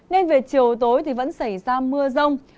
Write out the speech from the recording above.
nên về chiều tối thì vẫn xảy ra mưa rông